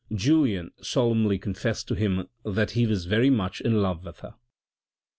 j uhen solemnly confessed to him that he was very much in love with her.